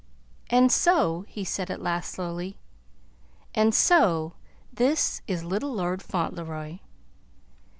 "And so," he said at last, slowly, "and so this is little Lord Fauntleroy."